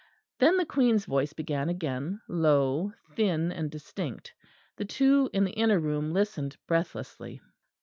Then the Queen's voice began again, low, thin, and distinct. The two in the inner room listened breathlessly.